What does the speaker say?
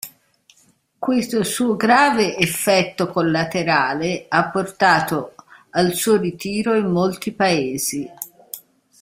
Questo suo grave effetto collaterale ha portato al suo ritiro in molti Paesi.